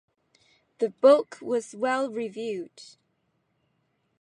The book was well reviewed.